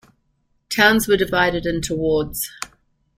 Towns were divided into wards.